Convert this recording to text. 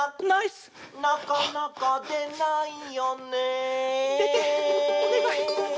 「なかなかでないよね」